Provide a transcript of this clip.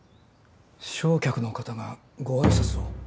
正客の方がご挨拶を。